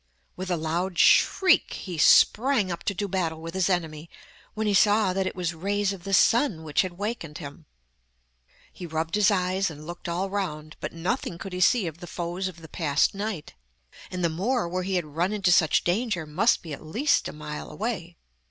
With a loud shriek he sprang up to do battle with his enemy, when he saw that it was rays of the sun which had wakened him. He rubbed his eyes and looked all round, but nothing could he see of the foes of the past night, and the moor where he had run into such danger must be at least a mile away.